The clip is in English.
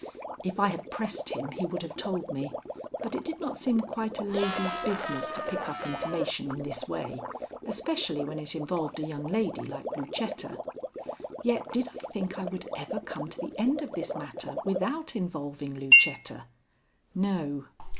If I had pressed him he would have told me, but it did not seem quite a lady's business to pick up information in this way, especially when it involved a young lady like Lucetta. Yet did I think I would ever come to the end of this matter without involving Lucetta? No.